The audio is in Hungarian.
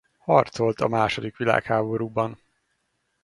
Harcolt a második világháborúban.